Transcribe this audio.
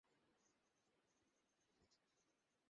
আপনাকে ধরে ফেলেছি।